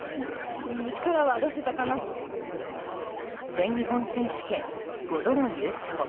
全日本選手権５度の優勝